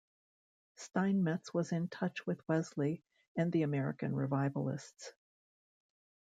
Steinmetz was in touch with Wesley and the American revivalists.